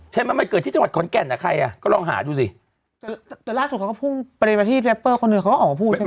ใช่ไหมมันเกิดที่จังหวัดขอนแก่นอ่ะใครอ่ะก็ลองหาดูสิแต่ล่าสุดเขาก็พุ่งประเด็นมาที่เรปเปอร์คนหนึ่งเขาก็ออกมาพูดใช่ไหม